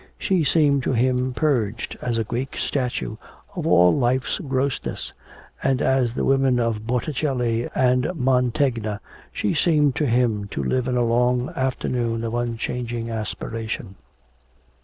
She seemed to him purged, as a Greek statue, of all life's grossness; and as the women of Botticelli and Mantegna she seemed to him to live in a long afternoon of unchanging aspiration.